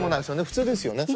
普通ですよね。